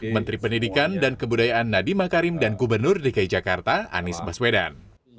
menteri pendidikan dan kebudayaan nadiem makarim dan gubernur dki jakarta anies baswedan